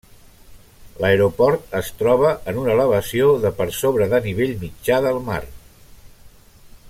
L'aeroport es troba en una elevació de per sobre de nivell mitjà del mar.